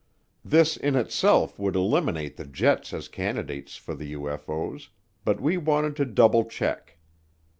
This in itself would eliminate the jets as candidates for the UFO's, but we wanted to double check.